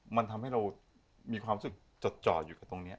มันทำให้เรามีความรู้สึกจดจ่ออยู่กับตรงนี้